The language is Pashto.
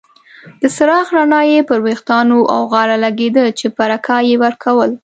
د څراغ رڼا یې پر ویښتانو او غاړه لګیده چې پرکا یې ورکول.